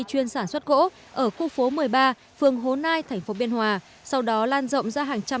chuyên sản xuất gỗ ở khu phố một mươi ba phường hố nai thành phố biên hòa sau đó lan rộng ra hàng trăm